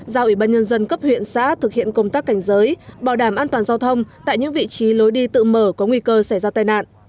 giao ubnd cấp huyện xã thực hiện công tác cảnh giới bảo đảm an toàn giao thông tại những vị trí lối đi tự mở có nguy cơ xảy ra tai nạn